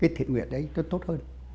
cái thiện nguyện đấy tốt hơn